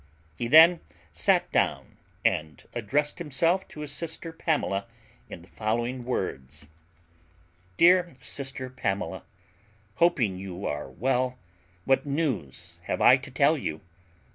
He then sat down, and addressed himself to his sister Pamela in the following words: "Dear Sister Pamela, Hoping you are well, what news have I to tell you!